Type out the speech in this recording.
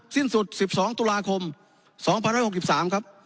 สิ้นสุดสิบสองตุลาคมสองพันร้อยหกสิบสามครับ